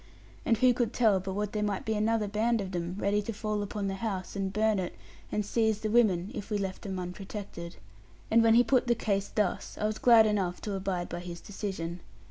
And who could tell but what there might be another band of them, ready to fall upon the house, and burn it, and seize the women, if we left them unprotected? When he put the case thus, I was glad enough to abide by his decision.